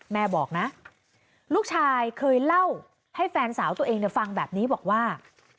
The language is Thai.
แม่บอกนะลูกชายเคยเล่าให้แฟนสาวตัวเองฟังแบบนี้บอกว่า